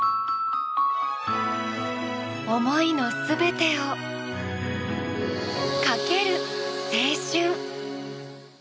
思いの全てをカケル青春！